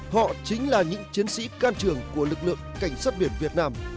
họ chính là những chiến sĩ can trường của lực lượng cảnh sát biển việt nam